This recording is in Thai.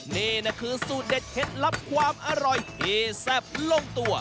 นี่นะคือสูตรเด็ดเคล็ดลับความอร่อยที่แซ่บลงตัว